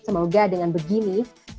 semoga dengan begini